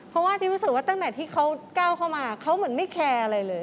เพราะว่าที่รู้สึกว่าตั้งแต่ที่เขาก้าวเข้ามาเขาเหมือนไม่แคร์อะไรเลย